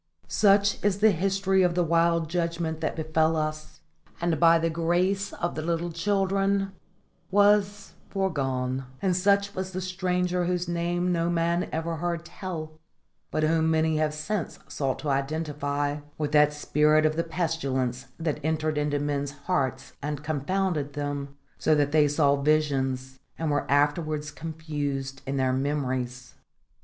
Such is the history of the wild judgment that befell us, and by grace of the little children was foregone; and such was the stranger whose name no man ever heard tell, but whom many have since sought to identify with that spirit of the pestilence that entered into men's hearts and confounded them, so that they saw visions and were afterwards confused in their memories.